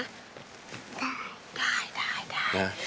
ได้